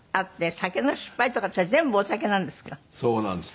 酒の失敗とかそれ全部お酒なんですか？